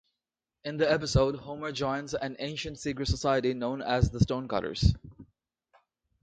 In the episode, Homer joins an ancient secret society known as the Stonecutters.